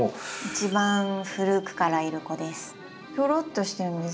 一番古くからいる子です。